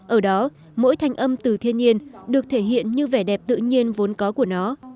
ở đó mỗi thanh âm từ thiên nhiên được thể hiện như vẻ đẹp tự nhiên vốn có của nó